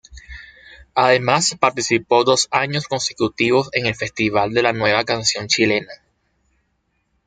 Además participó dos años consecutivos en el Festival de la Nueva Canción Chilena.